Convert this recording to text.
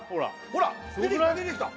ほら出てきた出てきた